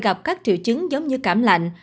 gặp các triệu chứng giống như cảm lạnh